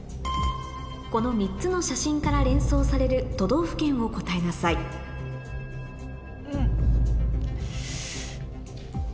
この３つの写真から連想される都道府県を答えなさいうん。